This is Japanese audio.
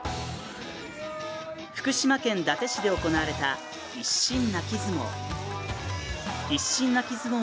福島県伊達市で行われた一心泣き相撲。